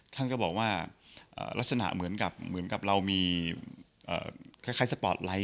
ท่านก็บอกว่ารักษณะเหมือนกับเรามีคล้ายสปอร์ตไลท์